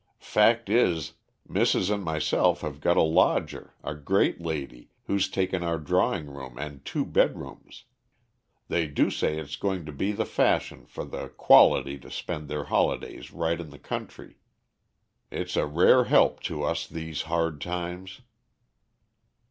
"Fact is, missus and myself have got a lodger, a great lady, who's taken our drawing room and two bedrooms. They do say it's going to be the fashion for the 'quality' to spend their holidays right in t'country. It's a rare help to us these hard times."